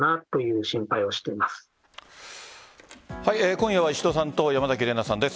今夜は石戸さんと山崎怜奈さんです。